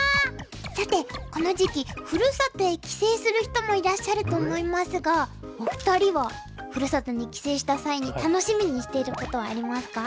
さてこの時期ふるさとへ帰省する人もいらっしゃると思いますがお二人はふるさとに帰省した際に楽しみにしていることはありますか？